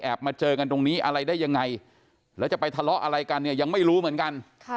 มาเจอกันตรงนี้อะไรได้ยังไงแล้วจะไปทะเลาะอะไรกันเนี่ยยังไม่รู้เหมือนกัน